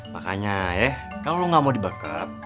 makanya ya kalau lu gak mau dibangkep